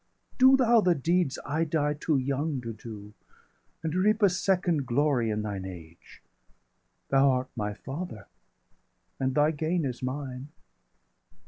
Do thou the deeds I die too young to do, 775 And reap a second glory in thine age; Thou art my father, and thy gain is mine.